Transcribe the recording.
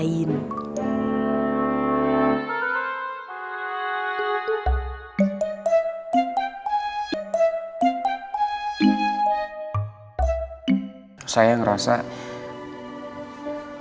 saya harus bertanggung jawab atas apa yang terjadi sama putri tante